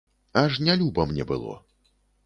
Аж нялюба мне было.